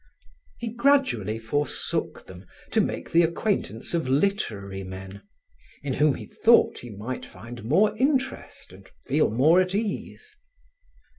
He gradually forsook them to make the acquaintance of literary men, in whom he thought he might find more interest and feel more at ease.